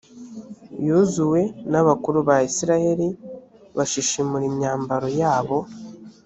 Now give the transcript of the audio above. yozuwe n’abakuru ba israheli bashishimura imyambaro yabo.